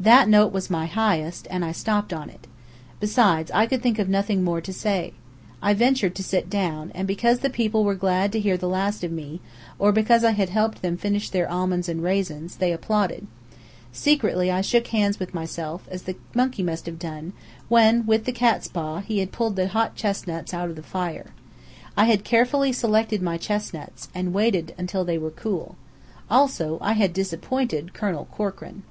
That note was my highest, and I stopped on it. Besides, I could think of nothing more to say. I ventured to sit down; and because the people were glad to hear the last of me, or because I had helped them finish their almonds and raisins, they applauded. Secretly I shook hands with myself, as the monkey must have done, when, with the catspaw, he had pulled the hot chestnuts out of the fire. I had carefully selected my chestnuts and waited till they were cool. Also, I had disappointed Colonel Corkran.